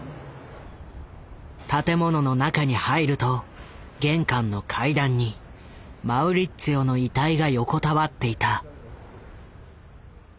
建物の中に入ると玄関の階段にマウリッツィオの遺体が横たわっていた。